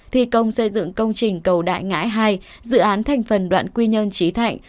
thi công xây dựng công trình cầu đại ngãi hai dự án thành phần đoạn quy nhơn trí thạnh